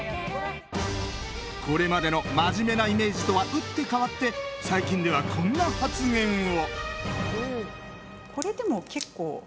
これまでの真面目なイメージとは打って変わって最近ではこんな発言を。